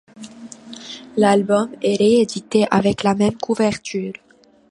L'album est réédité avec la même couverture.